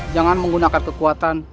jangan menggunakan kekuatan